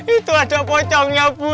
itu ada pocongnya bu